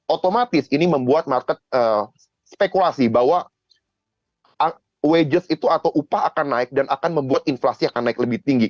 otomatis ini membuat market spekulasi bahwa wages itu atau upah akan naik dan akan membuat inflasi akan naik lebih tinggi